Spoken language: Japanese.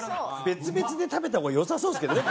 別々で食べた方がよさそうですけどね